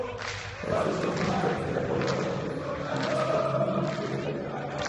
El fruto es una cápsula ovalada de unos cuatro milímetros de largo.